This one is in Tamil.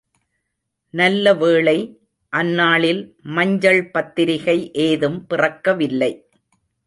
நல்ல வேளை, அந்நாளில் மஞ்சள் பத்திரிகை ஏதும் பிறக்கவில்லை.